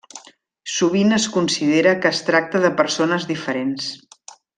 Sovint es considera que es tracta de persones diferents.